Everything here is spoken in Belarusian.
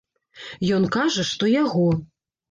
Ён кажа, што яго.